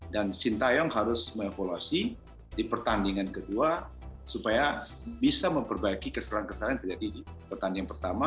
dan sintayong harus mengevolusi di pertandingan kedua supaya bisa memperbaiki kesalahan kesalahan yang terjadi di pertandingan pertama